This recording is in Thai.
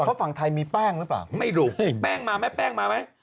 เพราะฝั่งไทยมีแป้งหรือเปล่าไม่รู้แป้งมาไหมแป้งมาไหม